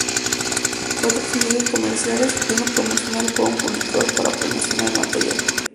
Cuatro sencillos comerciales y uno promocional fueron publicados para promocionar el material.